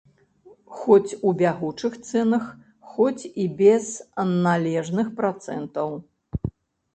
Хоць у бягучых цэнах, хоць і без належных працэнтаў.